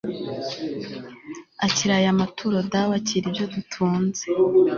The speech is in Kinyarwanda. r/ akira aya mature dawe akira ibyo dutunze